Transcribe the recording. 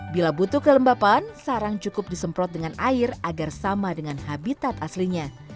bila butuh kelembapan sarang cukup disemprot dengan air agar sama dengan habitat aslinya